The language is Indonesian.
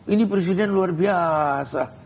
ini presiden luar biasa